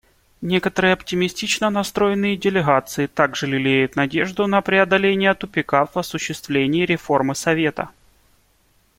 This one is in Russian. Некоторые оптимистично настроенные делегации также лелеют надежду на преодоление тупика в осуществлении реформы Совета.